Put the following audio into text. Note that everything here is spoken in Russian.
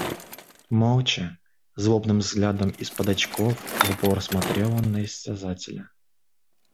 Молча, злобным взглядом из-под очков в упор смотрел он на истязателя.